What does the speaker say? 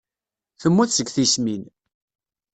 Temmut seg tismin.